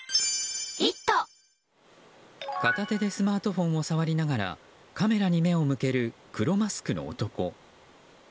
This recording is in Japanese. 片手でスマートフォンを触りながらカメラに目を向ける黒マスクの男。